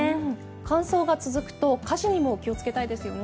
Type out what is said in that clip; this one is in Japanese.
乾燥が続くと火事にも気をつけたいですよね。